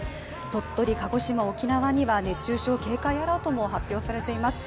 鳥取、鹿児島、沖縄には熱中症警戒アラートも発表されています。